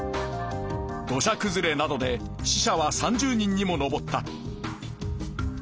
土しゃくずれなどで死者は３０人にも上った。